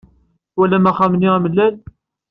Twalam axxam-nni amellal?